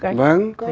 thầy hà vĩ đức